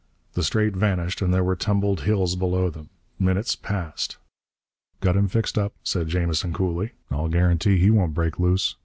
The Strait vanished and there were tumbled hills below them. Minutes passed. "Got him fixed up," said Jamison coolly, "I'll guarantee he won't break loose.